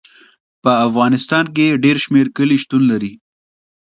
په افغانستان کې ډېر شمیر کلي شتون لري.